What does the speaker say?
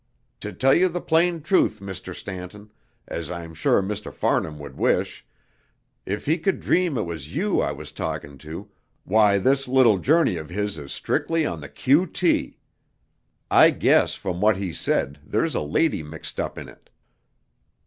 To tell you the plain truth, Mr. Stanton, as I'm sure Mr. Farnham would wish, if he could dream it was you I was talking to, why, this little journey of his is strictly on the 'Q. T.' I guess from what he said there's a lady mixed up in it."